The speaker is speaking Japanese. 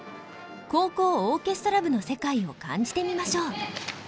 高校オーケストラ部の世界を感じてみましょう。